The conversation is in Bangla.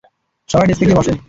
সবাই ডেস্কে গিয়ে বসো।